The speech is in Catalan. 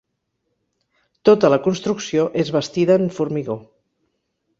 Tota la construcció és bastida en formigó.